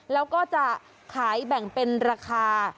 แล้วก็จะขายแบ่งเป็นราคา